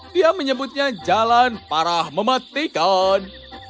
dia menyebutnya jalan parah mematikan